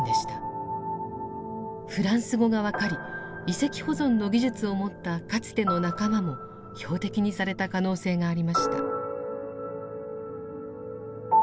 フランス語が分かり遺跡保存の技術を持ったかつての仲間も標的にされた可能性がありました。